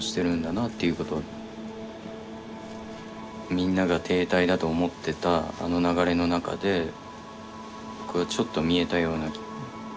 みんなが停滞だと思ってたあの流れの中でちょっと見えたような。